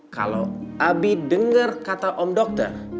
kalau abi dengar kata om dokter